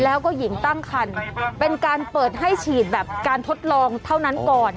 แล้วก็หญิงตั้งคันเป็นการเปิดให้ฉีดแบบการทดลองเท่านั้นก่อน